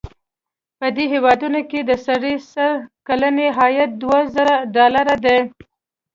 په دې هېوادونو کې د سړي سر کلنی عاید دوه زره ډالره دی.